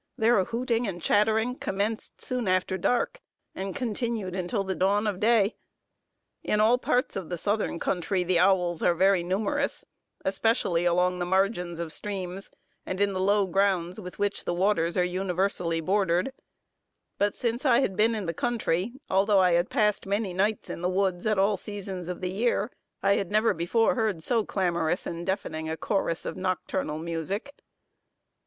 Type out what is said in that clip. Their hooting and chattering commenced soon after dark, and continued until the dawn of day. In all parts of the southern country, the owls are very numerous, especially along the margins of streams, and in the low grounds with which the waters are universally bordered; but since I had been in the country, although I had passed many nights in the woods at all seasons of the year, I had never before heard so clamorous and deafening a chorus of nocturnal music.